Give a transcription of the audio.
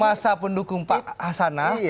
masa pendukung pak hasanah